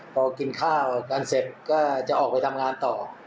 พอกินข้าวกันเสร็จก็จะออกไปทำงานต่อ